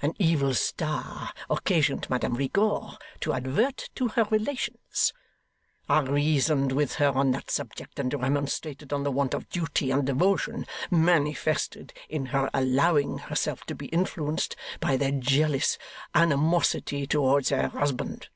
An evil star occasioned Madame Rigaud to advert to her relations; I reasoned with her on that subject, and remonstrated on the want of duty and devotion manifested in her allowing herself to be influenced by their jealous animosity towards her husband.